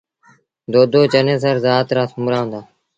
دودو چنيسر زآت رآ سومرآ هُݩدآ۔